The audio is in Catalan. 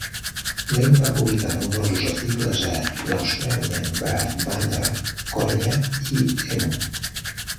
Lane va publicar nombrosos articles a l'"Australian Bird Bander", "Corella" i "Emu".